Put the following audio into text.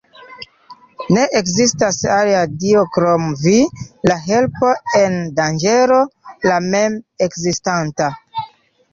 Ne ekzistas alia dio krom Vi, la Helpo en danĝero, la Mem-Ekzistanta.